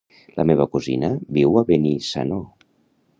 La meva cosina viu a Benissanó.